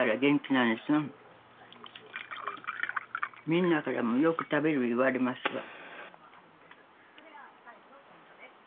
みんなからもよく食べる言われますわ。